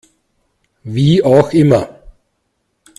Wie auch immer.